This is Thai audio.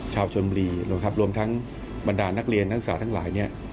ชาวชนบุรีรวมทั้งบรรดานนักเรียนนักงษาทั้งหลาย